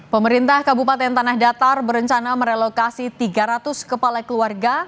pemerintah kabupaten tanah datar berencana merelokasi tiga ratus kepala keluarga